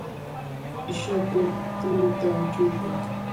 Ishaku triquta achuykan.